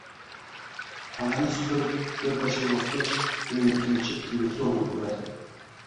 Xonani supurib, koʼrpacha yozgach, koʼngli tinchib televizorni buradi.